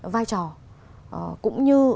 vai trò cũng như